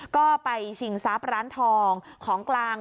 ก็ไปชิงทรัพย์ร้านทองของกลาง